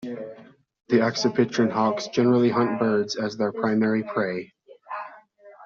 The accipitrine hawks generally hunt birds as their primary prey.